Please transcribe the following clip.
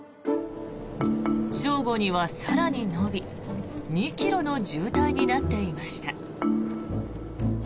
正午には更に延び２ｋｍの渋滞になっていました。